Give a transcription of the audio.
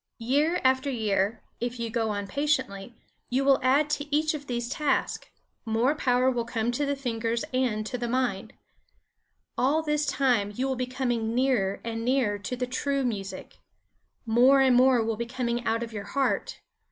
Year after year, if you go on patiently, you will add to each of these tasks; more power will come to the fingers and to the mind. All this time you will be coming nearer and nearer to the true music. More and more will be coming out of your heart.